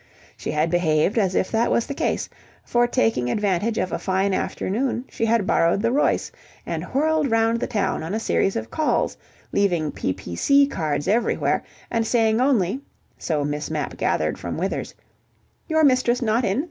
She had behaved as if that was the case, for taking advantage of a fine afternoon, she had borrowed the Royce and whirled round the town on a series of calls, leaving P.P.C. cards everywhere, and saying only (so Miss Mapp gathered from Withers) "Your mistress not in?